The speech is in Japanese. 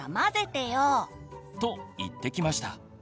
と言ってきました。